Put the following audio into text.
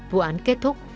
vụ án kết thúc